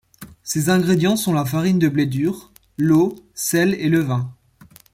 Ses ingrédients sont la farine de blé dur, l'eau, sel et levain.